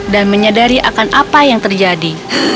dan menyadari akan apa yang terjadi